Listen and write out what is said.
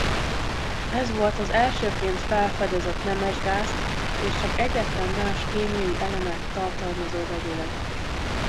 Ez volt az elsőként felfedezett nemesgázt és csak egyetlen más kémiai elemet tartalmazó vegyület.